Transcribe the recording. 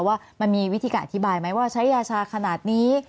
ว่ามันมีวิธีการอธิบายไหมว่าใช้ยาชาขนาดนี้